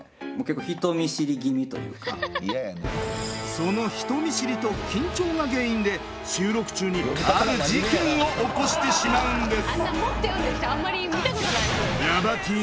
その人見知りと緊張が原因で収録中にある事件を起こしてしまうんです。